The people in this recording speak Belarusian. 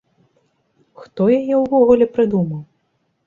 Хто яе ўвогуле прыдумаў?